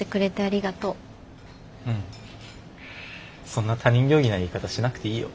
そんな他人行儀な言い方しなくていいよ。